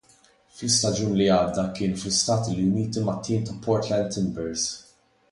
Fl-istaġun li għadda kien fl-Istati Uniti mat-tim ta' Portland Timbers.